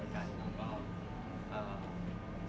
แล้วก็ให้กำลังใจผ่านด้วย